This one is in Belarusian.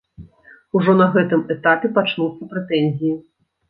Ужо на гэтым этапе пачнуцца прэтэнзіі.